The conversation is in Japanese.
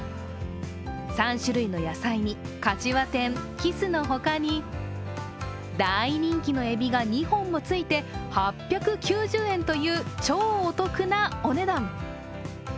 ３種類の野菜にかしわ天、きすの他に大人気のえびが２本もついて８９０円という超お得なお値段。